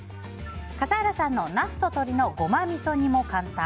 笠原さんのナスと鶏のごまみそ煮も簡単。